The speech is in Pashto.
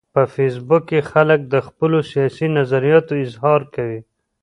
په فېسبوک کې خلک د خپلو سیاسي نظریاتو اظهار کوي